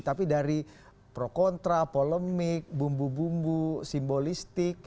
tapi dari pro kontra polemik bumbu bumbu simbolistik